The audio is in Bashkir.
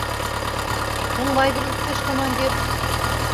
— Тыңлайбыҙ, иптәш командир.